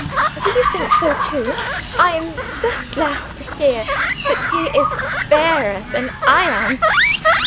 Do you think so too? I am so glad to hear that he is fairer than I am!